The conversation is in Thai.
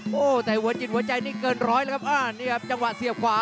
โอ้โหแต่หัวจิตหัวใจนี่เกินร้อยแล้วครับอ่านี่ครับจังหวะเสียบขวา